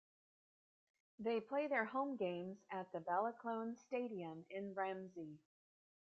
They play their home games at the Ballacloan Stadium in Ramsey.